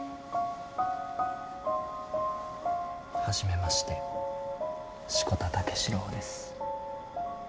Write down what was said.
初めまして志子田武四郎です。